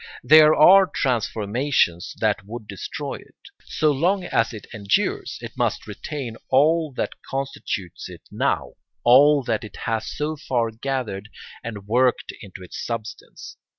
There are transformations that would destroy it. So long as it endures it must retain all that constitutes it now, all that it has so far gathered and worked into its substance.